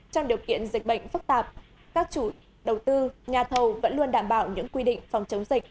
trong điều kiện dịch bệnh phức tạp các chủ đầu tư nhà thầu vẫn luôn đảm bảo những quy định phòng chống dịch